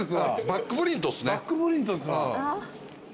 バックプリントっす。